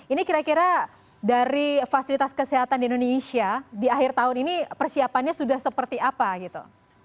ini kira kira dari fasilitas kesehatan di indonesia di akhir tahun ini persiapannya sudah seperti apa gitu